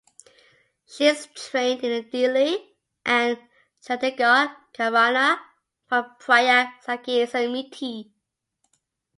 She is trained in the Dilli and Chandigarh Gharana from Prayag Sangeet Samiti.